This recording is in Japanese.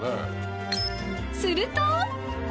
［すると］